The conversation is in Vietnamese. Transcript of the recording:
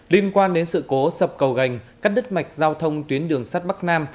liên quan đến sự cố sập cầu gành cắt đứt mạch giao thông tuyến đường sắt bắc nam